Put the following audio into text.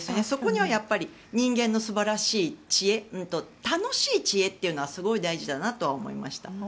そこにはやっぱり人間の素晴らしい知恵楽しい知恵っていうのはすごい大事だなと思いました。